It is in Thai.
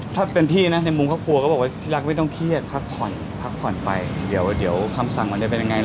ถ้าเป็นพี่นะในมุมครอบครัวก็บอกว่าที่รักไม่ต้องเครียดพักผ่อนพักผ่อนไปเดี๋ยวคำสั่งมันจะเป็นยังไง